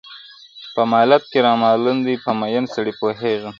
په مالت کي را معلوم دی په مین سړي پوهېږم-